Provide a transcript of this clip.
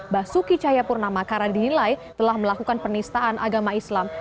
basuki cahayapurnama karena dinilai telah melakukan penistaan agama islam